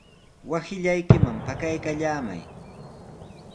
Wasillaykiman pakaykallamay.